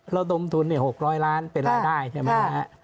ระดมทุน๖๐๐ล้านเป็นรายได้ใช่ไหมฮะ